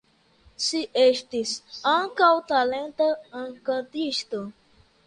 Ŝi estis ankaŭ talenta kantisto.